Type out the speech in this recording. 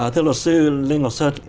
thưa luật sư lê ngọc sơn